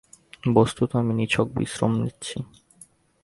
বস্তুত আমি নিছক বিশ্রাম নিচ্ছি।